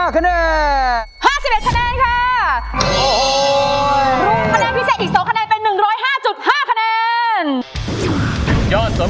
๕๒๕คะแนน